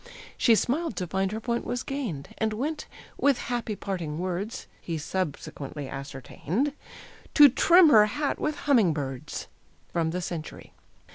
She smiled to find her point was gained And went, with happy parting words (He subsequently ascertained), To trim her hat with humming birds. _From the Century.